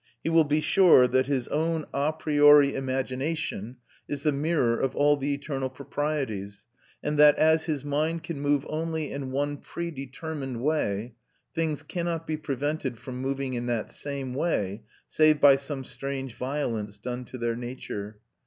He will be sure that his own a priori imagination is the mirror of all the eternal proprieties, and that as his mind can move only in one predetermined way, things cannot be prevented from moving in that same way save by some strange violence done to their nature.